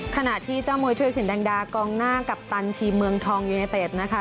ขณะที่เจ้ามวยธุรสินแดงดากองหน้ากัปตันทีมเมืองทองยูเนเต็ดนะคะ